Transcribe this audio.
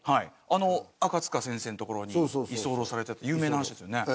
あの赤塚先生の所に居候されてた有名な話ですよね。